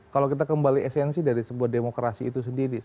kalau kita kembali esensi dari sebuah demokrasi itu sendiri